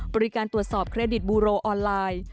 บริการตรวจสอบเครดิตบูโรออนไลน์